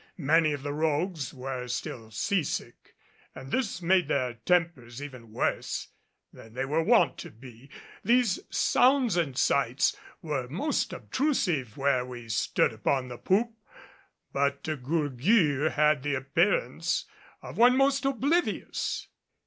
Many of the rogues were still sea sick, and this made their tempers even worse than they were wont to be. These sounds and sights were most obtrusive where we stood upon the poop, but De Gourgues had the appearance of one most oblivious.